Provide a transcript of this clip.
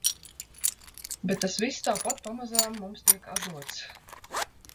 Bet tas viss tāpat pamazām mums tiek atdots.